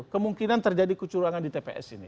kemungkinan terjadi kecurangan di tps ini